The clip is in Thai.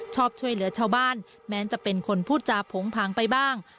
ชอบช่วยเหลือชาวบ้านแม้จะเป็นคนพูดจาโผงผางไปบ้าง